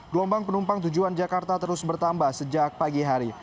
gelombang penumpang tujuan jakarta terus bertambah sejak pagi hari